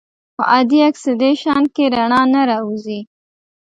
په عادي اکسیدیشن کې رڼا نه راوځي.